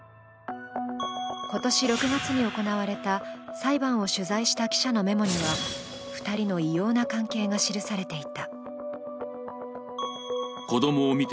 今年６月に行われた裁判を取材した記者のメモには２人の異様な関係が記されていた。